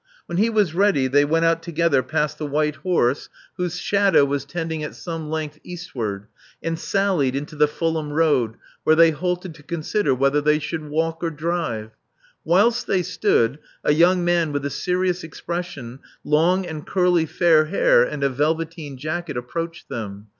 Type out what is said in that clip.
When he was ready, they went out together past the white horse, Love Among the Artists 395 whose shadow was tending at some length eastward, and sallied into the Fulham Road, where they halted to consider whether they should walk or drive. Whilst they stood, a young man with a serious expression, long and curly fair hair, and a velveteen jacket, approached them.